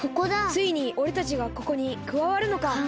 ついにおれたちがここにくわわるのか。